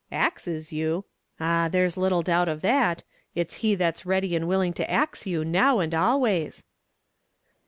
"Axes you! ah, there's little doubt of that; it's he that's ready and willing to ax you, now and always."